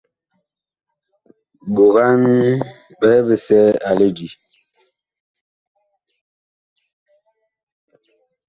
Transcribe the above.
Ɓogan ɓɛhɛ bisɛ a lidí.